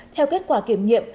theo kết quả kiểm nghiệm